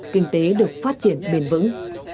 kinh tế được phát triển bền vững